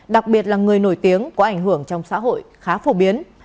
đặc biệt là người nổi tiếng có ảnh hưởng trong xã hội khá phổ biến